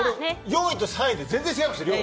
４位と３位で全然違います、量。